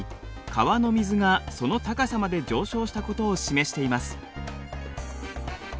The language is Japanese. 川の水がその高さまで上昇したことを示しています。